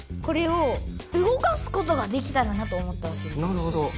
なるほど。